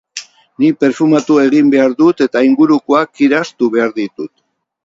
Nik perfumatu egin behar dut eta ingurukoak kirastu behar ditut.